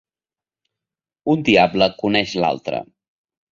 Un diable coneix l'altre.